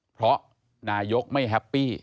เพราะนายกไม่แฮปปี้